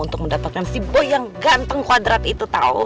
untuk mendapatkan si boy yang ganteng kwadrat itu tau